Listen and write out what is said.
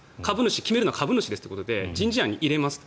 決めるのは株主ということで人事案に入れますと。